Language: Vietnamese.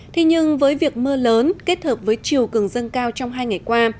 thế nhưng với việc mưa lớn kết hợp với chiều cường dâng cao trong hai ngày qua